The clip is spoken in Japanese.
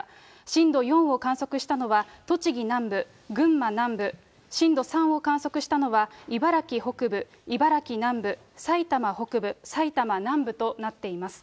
震度４を観測したのは、栃木南部、群馬南部、震度３を観測したのは、茨城北部、茨城南部、埼玉北部、埼玉南部となっています。